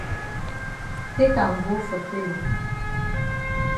Take am go for tailor.